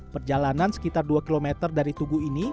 perjalanan sekitar dua km dari tugu ini